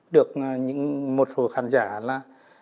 được một số khán giả